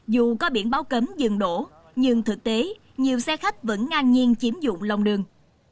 dù có biển báo cấm dừng đổ nhưng thực tế nhiều xe khách vẫn ngang nhiên chiếm dụng lòng đường